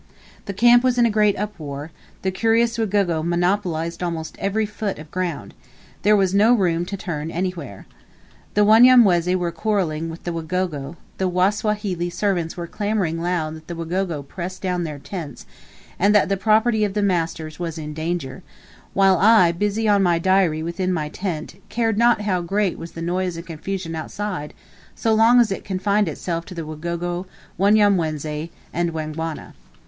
The camp was in a great uproar; the curious Wagogo monopolized almost every foot of ground; there was no room to turn anywhere. The Wanyamwezi were quarreling with the Wagogo, the Wasawahili servants were clamoring loud that the Wagogo pressed down their tents, and that the property of the masters was in danger; while I, busy on my diary within my tent, cared not how great was the noise and confusion outside as long as it confined itself to the Wagogo, Wanyamwezi, and Wangwana.